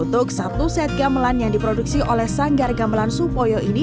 untuk satu set gamelan yang diproduksi oleh sanggar gamelan supoyo ini